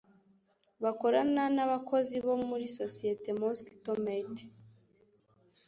bakorana na bakozi bo muri sosiyete MosquitoMate.